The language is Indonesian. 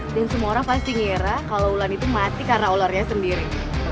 dan semua orang pasti ngira kalo ulan itu mati karena ularnya sendiri